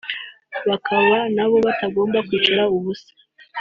bakaba nabo batagomba kwicara ubusa